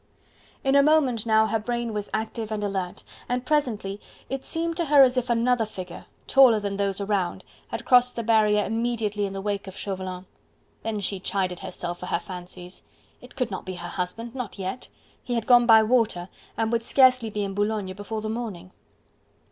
In a moment now her brain was active and alert, and presently it seemed to her as if another figure taller than those around had crossed the barrier immediately in the wake of Chauvelin. Then she chided herself for her fancies! It could not be her husband. Not yet! He had gone by water, and would scarce be in Boulogne before the morning!